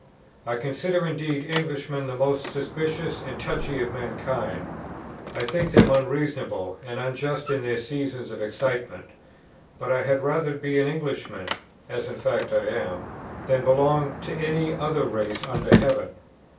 I consider, indeed, Englishmen the most suspicious and touchy of mankind; I think them unreasonable, and unjust in their seasons of excitement; but I had rather be an Englishman, (as in fact I am,) than belong to any other race under heaven.